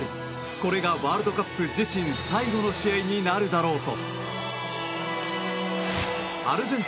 これがワールドカップ自身最後の試合になるだろうと。